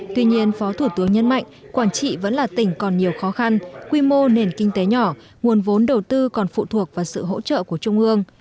tuy nhiên phó thủ tướng nhấn mạnh quảng trị vẫn là tỉnh còn nhiều khó khăn quy mô nền kinh tế nhỏ nguồn vốn đầu tư còn phụ thuộc vào sự hỗ trợ của trung ương